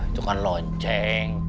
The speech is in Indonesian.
itu kan lonceng